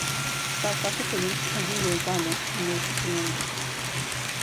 Çarşaflı kadın hazin gözlerle bunları süzüyordu.